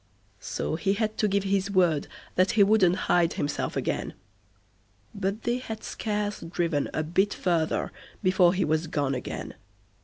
So he had to give his word that he wouldn't hide himself again; but they had scarce driven a bit further before he was gone again.